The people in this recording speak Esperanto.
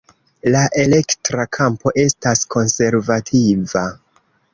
La elektra kampo estas konservativa.